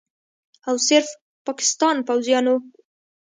او صرف پاکستان پوځیانو